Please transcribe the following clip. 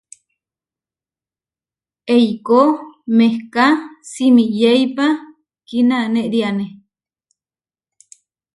Eikó mehká simiyéipa kinanériane.